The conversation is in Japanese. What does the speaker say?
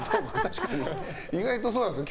意外とそうなんですよ